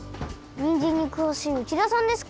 にんじんにくわしい内田さんですか？